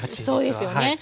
そうですよね。